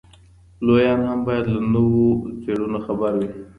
لویان هم باید له نویو څېړنو خبر وي.